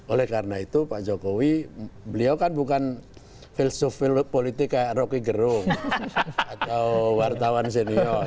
oleh karena itu pak jokowi beliau kan bukan filsufil politik kayak rocky gerung atau wartawan senior